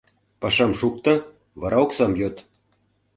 Пашам шукто, вара оксам йод.